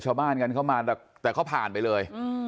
ชาวบ้านกันเข้ามาแต่เขาผ่านไปเลย